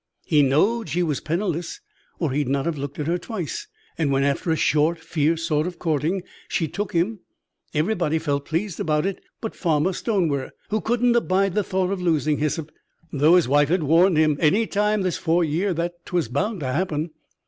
He knowed she was penniless, or he'd not have looked at her twice; and when, after a short, fierce sort of courting, she took him, everybody felt pleased about it but Farmer Stonewer, who couldn't abide the thought of losing Hyssop, though his wife had warned him any time this four year that 'twas bound to happen.